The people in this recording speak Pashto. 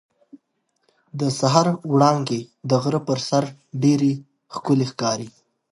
د سهار وړانګې د غره پر سر ډېرې ښکلې ښکاري.